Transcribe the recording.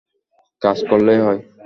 কাজ করলেই হয়!